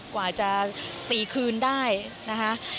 กว่าจะตีคืนได้นะคะ